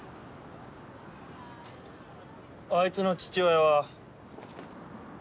あいつの父親は。